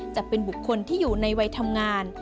จะเป็นบุคคลที่อยู่ในวัยทำงาน